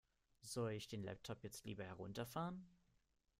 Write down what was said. Soll ich den Laptop jetzt lieber herunterfahren?